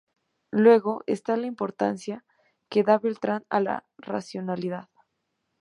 Luego está la importancia que da Beltrán a la racionalidad.